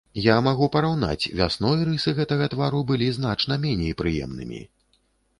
Я магу параўнаць, вясной рысы гэтага твару былі значна меней прыемнымі.